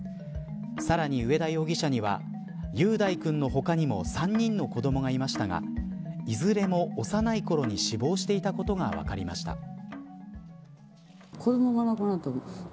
さらに上田容疑者には雄大君の他にも３人の子どもがいましたがいずれも幼いころに死亡していたことが分かりました。